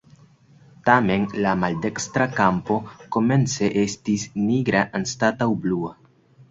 Tamen la maldekstra kampo komence estis nigra anstataŭ blua.